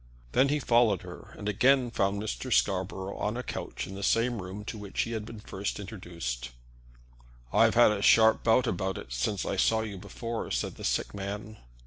Then he followed her, and again found Mr. Scarborough on a couch in the same room to which he had been first introduced. "I've had a sharp bout of it since I saw you before," said the sick man.